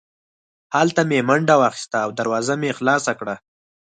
هلته مې منډه واخیسته او دروازه مې خلاصه کړه